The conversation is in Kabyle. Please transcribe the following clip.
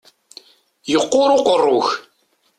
Yeqqur uqerru-k!